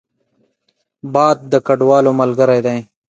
باد د کډوالو ملګری دی